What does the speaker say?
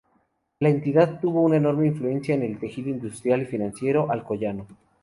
La entidad tuvo una enorme influencia en el tejido industrial y financiero alcoyano.